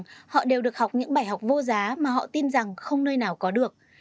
chúng tôi đã được học những bài học vô giá mà họ tin rằng không nơi nào có được